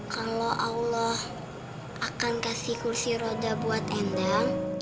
kalau allah akan kasih kursi roda buat endang